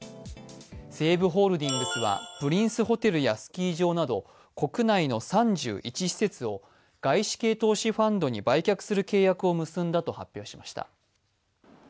西武ホールディングスはプリンスホテルやスキー場など国内の３１施設を外資系投資ファンドに売却する契約を結んだと発表しました。